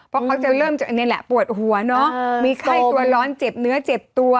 เพราะเขาจะเริ่มปวดหัวมีไข้ตัวร้อนเจ็บเนื้อเจ็บตัว